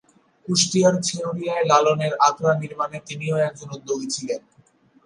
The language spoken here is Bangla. কুষ্টিয়ার ছেউরিয়ায় লালনের আখড়া নির্মাণে তিনিও একজন উদ্যোগী ছিলেন।